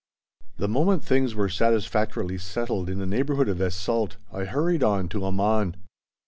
The moment things were satisfactorily settled in the neighbourhood of Es Salt I hurried on to Amman.